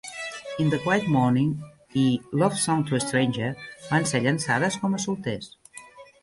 "In the Quiet Morning" i "Love Song to a Stranger" van ser llançades com a solters.